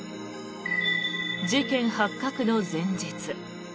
事件発覚の前日。